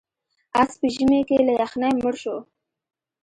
اس په ژمي کې له یخنۍ مړ شو.